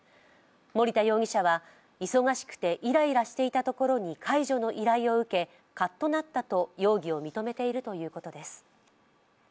森田容疑者は忙しくてイライラしていたところに介助の依頼を受け、かっとなったと容疑を認めているということです。